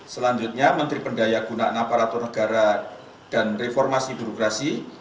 selanjutnya menteri pendaya gunakan aparatur negara dan reformasi burekrasi